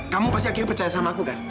kamu pasti akhirnya percaya sama aku kan